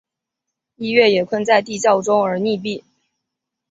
逸悦也困在地牢中而溺毙。